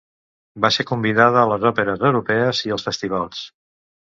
Va ser convidada a les òperes europees i als festivals.